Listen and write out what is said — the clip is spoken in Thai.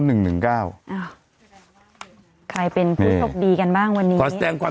หนึ่งหนึ่งเก้าอ้าวใครเป็นผู้โชคดีกันบ้างวันนี้ขอแสดงความ